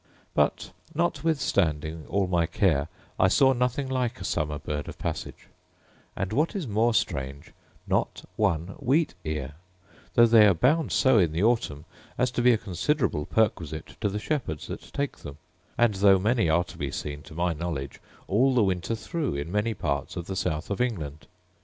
But, notwithstanding all my care, I saw nothing like a summer bird of passage: and, what is more strange, not one wheat ear, though they abound so in the autumn as to be a considerable perquisite to the shepherds that take them; and though many are to be seen to my knowledge all the winter through in many parts of the south of England.